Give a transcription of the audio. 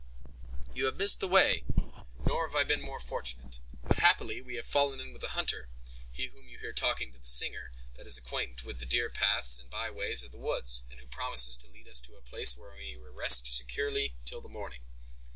"You have missed the way, nor have I been more fortunate. But, happily, we have fallen in with a hunter, he whom you hear talking to the singer, that is acquainted with the deerpaths and by ways of the woods, and who promises to lead us to a place where we may rest securely till the morning."